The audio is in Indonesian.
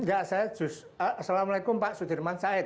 assalamu'alaikum pak sudirman said